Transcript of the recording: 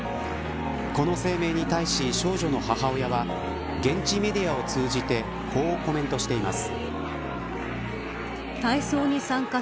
この声明に対し少女の母親は現地メディアを通じてこうコメントしています。